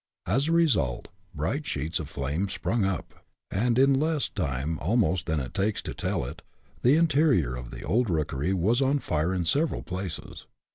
As a result, bright sheets of flame sprung up, and, in less time almost than it takes to tell it, the interior of the old rookery was on fire in several places.